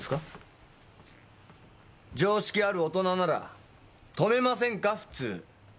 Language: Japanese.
常識ある大人なら止めませんか普通。